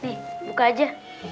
nih buka aja